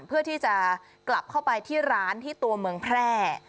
เพื่อที่จะกลับเข้าไปที่ร้านที่ตัวเมืองแพร่